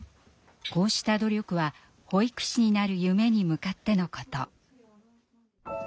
こうした努力は保育士になる夢に向かってのこと。